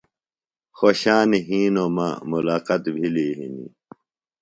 خوۡشان ہِنوۡ مہ ملاقات بھِلیۡ ہِنیۡ۔